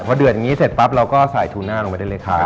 พอเดือดอย่างนี้เสร็จปั๊บเราก็ใส่ทูน่าลงไปได้เลยครับ